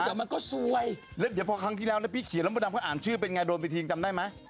แต่มันก็ซวยแล้วเดี๋ยวพอครั้งที่แล้วนะพี่เขียนแล้วมดดำเขาอ่านชื่อเป็นไงโดนไปทิ้งจำได้ไหม